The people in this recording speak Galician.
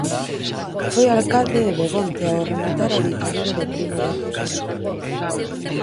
Foi alcalde de Begonte ao rematar a ditadura de Primo de Rivera.